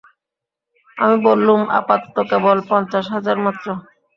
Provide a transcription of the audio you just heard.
আমি বললুম, আপাতত কেবল পঞ্চাশ হাজার মাত্র।